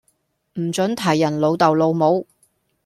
唔准提人老竇老母